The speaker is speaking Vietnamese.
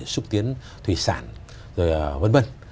xúc tiến thủy sản rồi vân vân